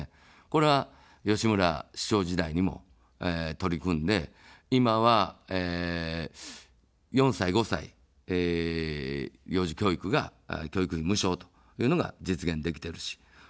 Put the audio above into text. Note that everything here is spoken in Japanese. これは、吉村市長時代にも取り組んで、今は、４歳、５歳、幼児教育が教育費無償というのが実現できてるし。